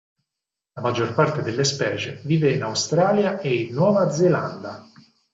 La maggior parte delle specie vive in Australia e in Nuova Zelanda.